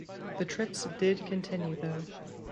The trips did continue though.